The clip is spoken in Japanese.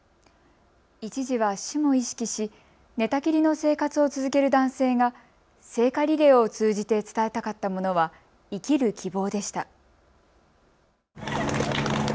一時は死も意識し寝たきりの生活を続ける男性が聖火リレーを通じて伝えたかったものは生きる希望でした。